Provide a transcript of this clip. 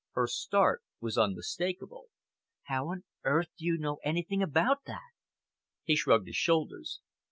Her start was unmistakable. "How on earth do you know anything about that?" He shrugged his shoulders.